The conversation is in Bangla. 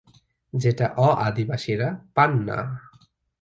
যেটা অ-আদিবাসীরা পান না।